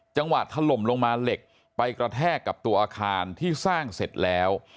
จังหวะถล่มลงมาเหล็กไปกระแทกกับตัวอาคารที่สร้างเสร็จแล้ว